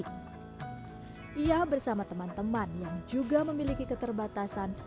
ia bersama teman teman yang juga memiliki keterbatasan